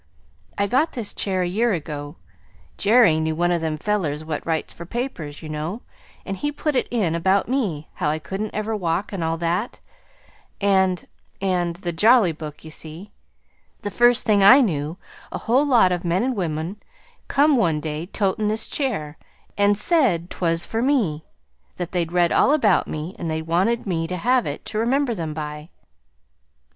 I got this chair a year ago. Jerry knew one of them fellers what writes for papers, you know, and he put it in about me how I couldn't ever walk, and all that, and and the Jolly Book, you see. The first thing I knew, a whole lot of men and women come one day toting this chair, and said 'twas for me. That they'd read all about me, and they wanted me to have it to remember them by."